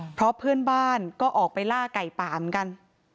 เพราะเพื่อนบ้านก็ออกไปล่าไก่ป่าเหมือนกัน